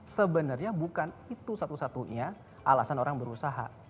sebenarnya bukan itu satu satunya alasan orang berusaha